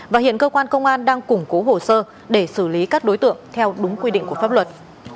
và hiện cơ quan công an đang củng cố hồ sơ để xử lý các đối tượng theo đúng quy định của pháp luật